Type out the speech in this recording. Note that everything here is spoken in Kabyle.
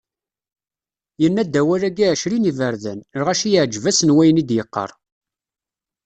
Yenna-d awal-agi ɛecrin n yiberdan, lɣaci yeɛǧeb-asen wayen i d-yeqqar.